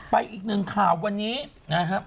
อีกหนึ่งข่าววันนี้นะครับ